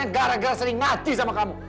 yang gara gara sering ngaji sama kamu